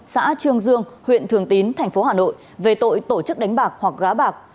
xã trương dương huyện thường tín tp hà nội về tội tổ chức đánh bạc hoặc gá bạc